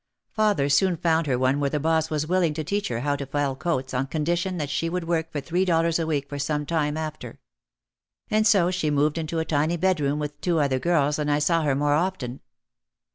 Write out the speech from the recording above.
Father soon found her one where the boss was willing to teach her how to fell coats on condition that she would work for three dollars a week for some time after. And so she moved into a tiny bedroom with two other girls and I saw her more often.